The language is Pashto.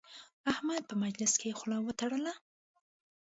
احمد په مجلس کې خول وتړله.